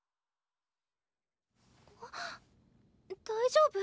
大丈夫？